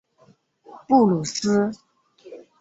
布鲁斯。